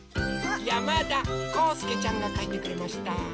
やまだこうすけちゃんがかいてくれました。